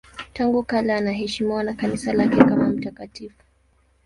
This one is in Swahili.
Tangu kale anaheshimiwa na Kanisa lake kama mtakatifu.